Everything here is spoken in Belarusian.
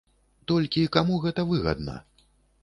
Толькі каму гэта выгадна?